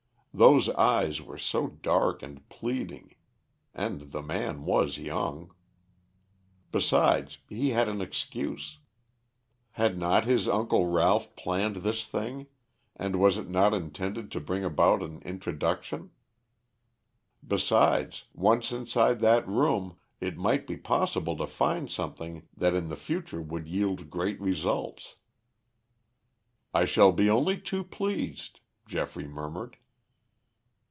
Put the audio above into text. Those eyes were so dark and pleading, and the man was young. Besides, he had an excuse. Had not his uncle Ralph planned this thing and was it not intended to bring about an introduction! Besides, once inside that room, it might be possible to find something that in the future would yield great results. "I shall be only too pleased," Geoffrey murmured.